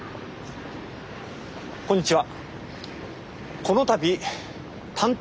こんにちは。